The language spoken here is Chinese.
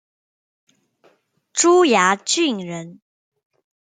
珠崖郡人。